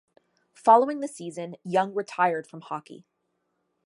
Following the season, Young retired from hockey.